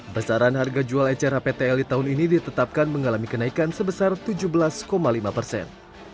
besaran harga jual ecer hptl di tahun ini ditetapkan mengalami kenaikan sebesar tujuh belas lima persen